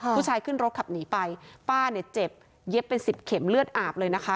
ขึ้นรถขับหนีไปป้าเนี่ยเจ็บเย็บเป็นสิบเข็มเลือดอาบเลยนะคะ